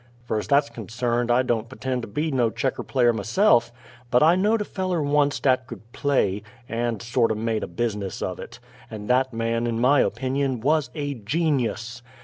Fur's that's concerned, I don't p'tend to be no checker player myse'f, but I know'd a feller onc't 'at could play, and sorto' made a business of it; and that man, in my opinion, was a geenyus!